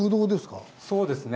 そうですね。